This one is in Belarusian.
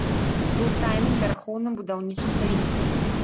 Быў тайным вярхоўным будаўнічым саветнікам.